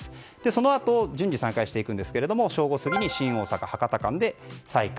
そのあと順次再開していくんですが正午過ぎに新大阪博多間で再開。